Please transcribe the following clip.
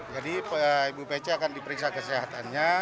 jadi ibu pece akan diperiksa kesehatannya